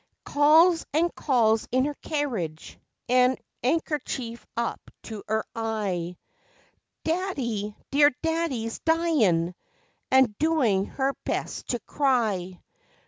Calls and calls in her carriage, her 'andkerchief up to 'er eye: "Daddy! dear daddy's dyin'!" and doing her best to cry.